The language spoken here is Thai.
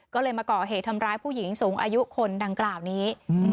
ก็เลยมาก่อเหตุทำร้ายผู้หญิงสูงอายุคนดังกล่าวนี้